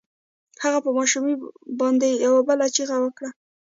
هغه په ماشومې باندې يوه بله چيغه وکړه.